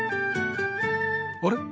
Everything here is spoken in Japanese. あれ？